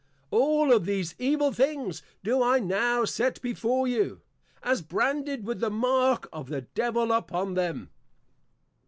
All of these Evil Things, do I now set before you, as Branded with the Mark of the Devil upon them.